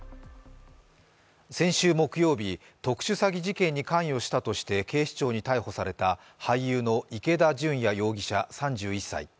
先週木曜日、特殊詐欺事件に関与したとして警視庁に逮捕された俳優の池田純矢容疑者３１歳。